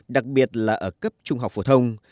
đặc biệt là ở cấp trung học phổ thông